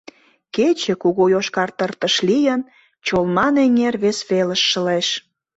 Кече, кугу йошкар тыртыш лийын, Чолман эҥер вес велыш шылеш.